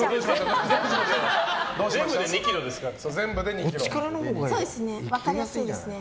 全部で２ｋｇですからね。